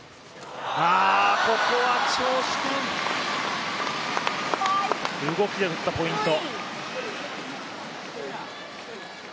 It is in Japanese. ここは張殊賢、動きで取ったポイント。